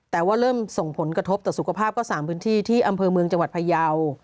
แต่ว่าเริ่มส่งผลกระทบต่อสุขภาพก็๓พื้นที่ที่อำเภอเมืองจังหวัดพยาว